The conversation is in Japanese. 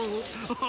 あ。